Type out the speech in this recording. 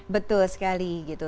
betul sekali gitu